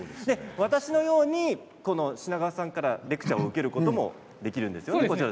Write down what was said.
私のように品川さんからレクチャーを受けることもできるんですね。